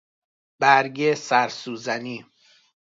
برگ سرسوزنی